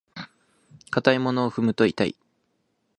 硬いものを踏むと痛い。